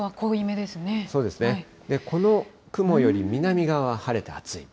そうですね、この雲より南側は晴れて暑いと。